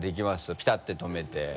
ピタって止めて。